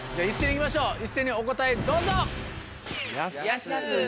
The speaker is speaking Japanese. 一斉に行きましょう一斉にお答えどうぞ！